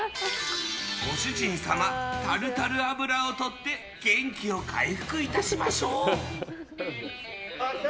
ご主人様、タルタル脂をとって元気を回復いたしましょう。